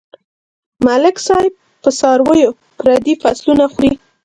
ملک صاحب په څارويو پردي فصلونه خوري.